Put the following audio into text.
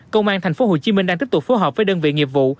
công an tp hcm đang tiếp tục phối hợp với đơn vị nghiệp vụ